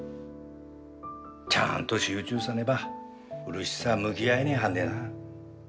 ちゃんと集中せねば漆さ向き合えねえはずでな。